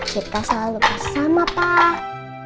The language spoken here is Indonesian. kita selalu bersama pak